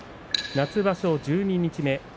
夏場所十二日目。